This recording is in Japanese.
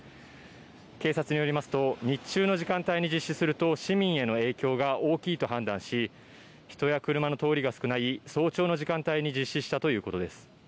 警察によりますと、日中の時間帯に実施すると、市民への影響が大きいと判断し、人や車の通りが少ない早朝の時間帯に実施したということです。